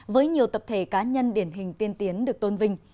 với nhiều tập thể cá nhân điển hình tiên tiến được tôn vinh